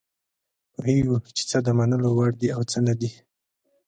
پوهیږو چې څه د منلو وړ دي او څه نه دي.